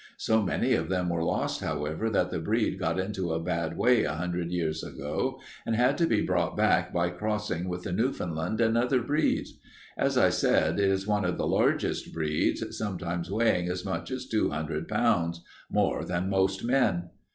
So many of them were lost, however, that the breed got into a bad way a hundred years ago and had to be brought back by crossing with the Newfoundland and other breeds. As I said, it is one of the largest breeds, sometimes weighing as much as two hundred pounds more than most men."